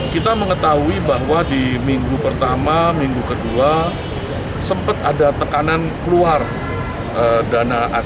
kita mengetahui bahwa di minggu pertama minggu kedua sempat ada tekanan keluar dana asing